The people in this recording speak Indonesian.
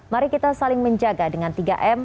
mari kita saling menjaga dengan tiga m